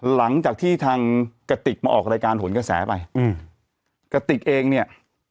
หลังจากที่ทางกติกมาออกรายการหนกระแสไปอืมกระติกเองเนี่ย